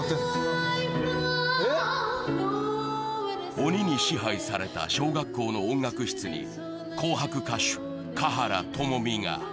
鬼に支配された小学校の音楽室に「紅白」歌手、華原朋美が。